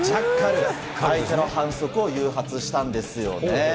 相手の反則を誘発したんですよね。